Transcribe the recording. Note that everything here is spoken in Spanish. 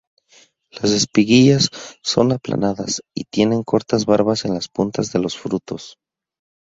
Las espiguillas son aplanadas y tienen cortas barbas en las puntas de los frutos.